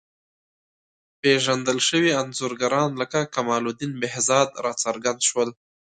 پېژندل شوي انځورګران لکه کمال الدین بهزاد راڅرګند شول.